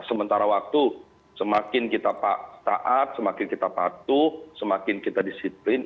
sementara waktu semakin kita taat semakin kita patuh semakin kita disiplin